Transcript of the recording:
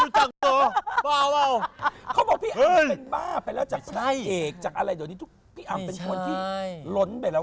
เขาบอกพี่อ้ำเป็นบ้าไปแล้วจากพระเอกจากอะไรเดี๋ยวนี้ทุกพี่อำเป็นคนที่ล้นไปแล้ว